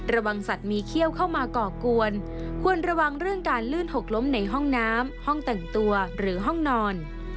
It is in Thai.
สัตว์มีเขี้ยวเข้ามาก่อกวนควรระวังเรื่องการลื่นหกล้มในห้องน้ำห้องแต่งตัวหรือห้องนอน